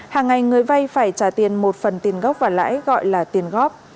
hàng ngày người vay phải trả tiền một phần tiền gốc và lãi gọi là tiền góp